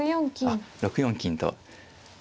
あっ６四金と。